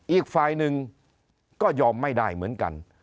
อีกฝ่ายหนึ่งก็ยอมไม่ได้เหมือนกัน